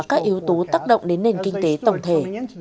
các yếu tố tác động đến nền kinh tế tổng thể